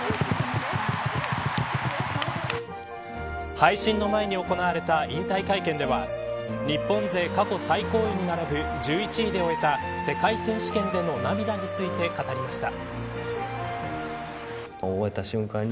配信の前に行われた引退会見では日本勢過去最高に並ぶ１１位で終えた世界選手権での涙について語りました。